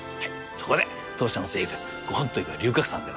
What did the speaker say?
そこで当社のセリフ「ゴホン！といえば龍角散」でございます。